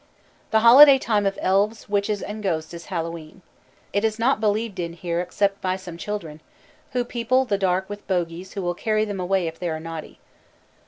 _ The holiday time of elves, witches, and ghosts is Hallowe'en. It is not believed in here except by some children, who people the dark with bogies who will carry them away if they are naughty.